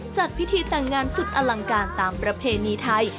จัดพิธีแต่งงานสุดอลังการตามประเพณีไทย